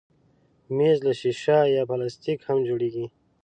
مېز له ښيښه یا پلاستیک هم جوړېږي.